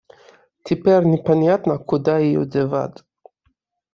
Теперь непонятно, куда её девать.